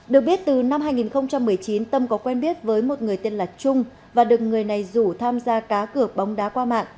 được biết từ năm hai nghìn một mươi chín tâm có quen biết với một người tên là trung và được người này rủ tham gia cá cược bóng đá qua mạng